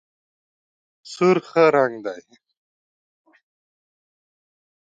سور ښه رنګ دی.